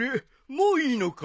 もういいのかい？